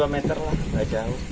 dua meter lah nggak jauh